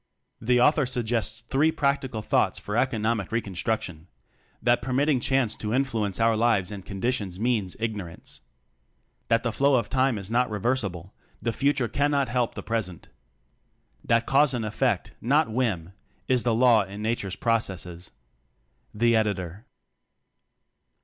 The author suggests three practical thoughts for economic reconstruc tion: That permitting chance to influence our lives and conditions means ignorance. That the flow of time is not reversible the future cannot help the present. That cause and effect, not whim, is the law in nature's pro cesses. Editor.